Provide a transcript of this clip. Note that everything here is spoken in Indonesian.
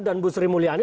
dan bu sri mulyani